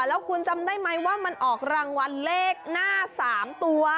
แล้วคุณจำได้ไหมว่ามันออกรางวัลเลขหน้า๓ตัว